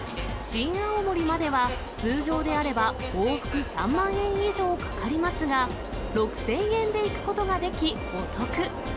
新青森までは、通常であれば往復３万円以上かかりますが、６０００円で行くことができ、お得。